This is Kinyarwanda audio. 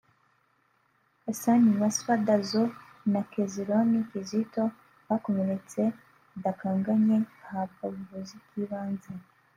Hassan Wasswa Dazo na Kezironi Kizito bakomeretse bidakanganye bahabwa ubuvuzi bw’ibanze